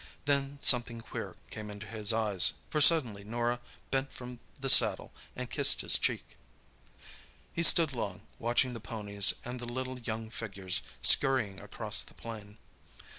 Then something queer came into his eyes, for suddenly Norah bent from the saddle and kissed his cheek. He stood long, watching the ponies and the little young figures scurrying across the plain.